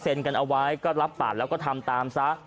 กันเอาไว้ก็รับปากแล้วก็ทำตามซะ